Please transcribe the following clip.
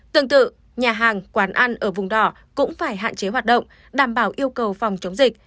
tương tự nhà hàng quán ăn ở vùng đỏ cũng phải hạn chế hoạt động đảm bảo yêu cầu phòng chống dịch